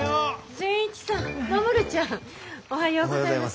善一さんまもるちゃんおはようございます。